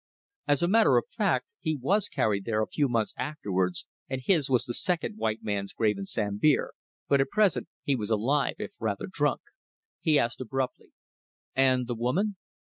As a matter of fact he was carried there a few months afterwards, and his was the second white man's grave in Sambir; but at present he was alive if rather drunk. He asked abruptly "And the woman?"